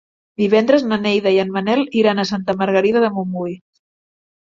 Divendres na Neida i en Manel iran a Santa Margarida de Montbui.